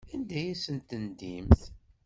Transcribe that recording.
Anda ay asen-tendimt?